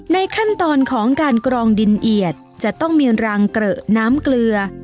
ขั้นตอนของการกรองดินเอียดจะต้องมีรังเกรอะน้ำเกลือ